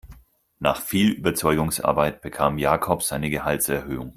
Nach viel Überzeugungsarbeit bekam Jakob seine Gehaltserhöhung.